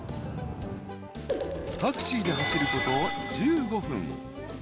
［タクシーで走ること１５分］